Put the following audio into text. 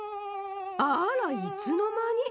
あらいつのまに！